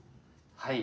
はい。